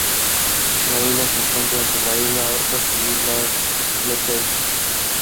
After leaving the Academy.